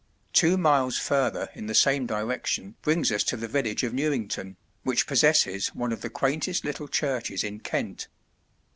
Two miles further in the same direction brings us to the village of Newington, which possesses one of the quaintest little churches in Kent.